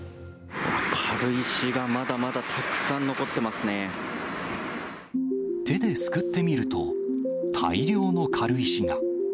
軽石がまだまだたくさん残っ手ですくってみると、大量の軽石が。